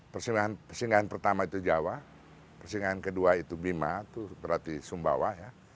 persinggahan pertama itu jawa persinggahan kedua itu bima itu berarti sumbawa ya